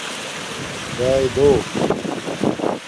چاݵے دو